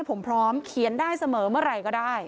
ผมพร้อมเขียนได้เสมอเมื่อไหร่ก็ได้